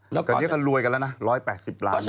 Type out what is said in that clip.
ตอนนี้ก็รวยกันแล้วนะ๑๘๐ล้าน